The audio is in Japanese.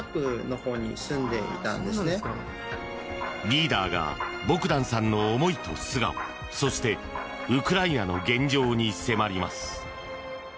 リーダーがボグダンさんの思いと素顔そしてウクライナの現状に迫ります。